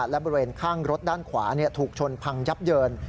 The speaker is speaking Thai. และบริเวณข้างรถด้านขวาถูกชนพังยับเยิน